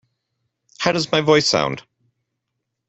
How does my voice sound?